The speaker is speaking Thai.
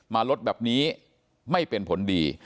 มาลดแบบนี้ไม่เป็นผลดี